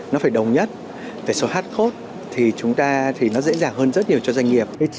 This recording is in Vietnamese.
nó phải đồng nhất phải số hát khốt thì chúng ta thì nó dễ dàng hơn rất nhiều cho doanh nghiệp